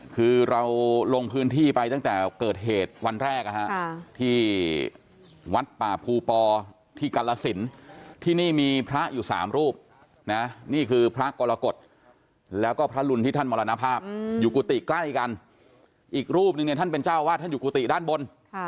คือเราลงพื้นที่ไปตั้งแต่เกิดเหตุวันแรกนะฮะที่วัดป่าภูปอที่กรสินที่นี่มีพระอยู่สามรูปนะนี่คือพระกรกฎแล้วก็พระรุนที่ท่านมรณภาพอยู่กุฏิใกล้กันอีกรูปนึงเนี่ยท่านเป็นเจ้าวาดท่านอยู่กุฏิด้านบน